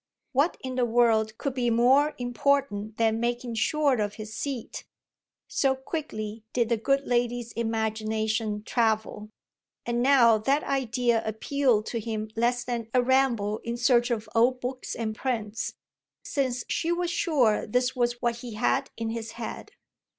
What in the world could be more important than making sure of his seat? so quickly did the good lady's imagination travel. And now that idea appealed to him less than a ramble in search of old books and prints since she was sure this was what he had in his head.